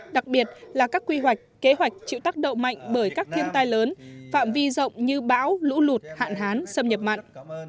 đặc biệt là các quy hoạch kế hoạch chịu tác động mạnh bởi các thiên tai lớn phạm vi rộng như bão lũ lụt hạn hán xâm nhập mặn